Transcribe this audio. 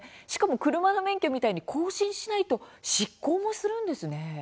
車の免許みたいに更新しないと失効もするんですね。